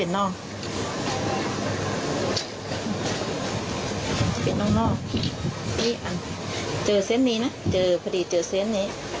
เป็นนอกนอกนี่อ่ะเจอเซ็นต์นี้นะเจอผลิตเจอเซ็นต์นี้